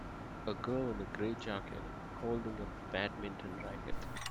A girl in a gray jacket holding a badminton racket.